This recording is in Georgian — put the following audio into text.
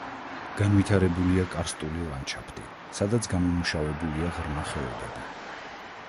განვითარებულია კარსტული ლანდშაფტი, სადაც გამომუშავებულია ღრმა ხეობები.